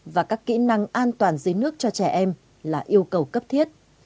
và các kỹ năng an toàn dưới nước cho trẻ em là yêu cầu cấp thiết